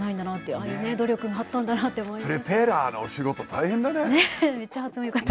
ああいう努力もあったんだなって思います。